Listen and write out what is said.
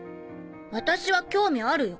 私は興味あるよ。